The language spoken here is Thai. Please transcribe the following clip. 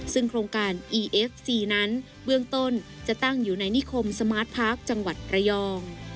สถานที่ได้เสื้อขัมภาษณะวัดประยอง